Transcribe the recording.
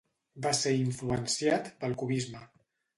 Va ser influenciat pel cubisme.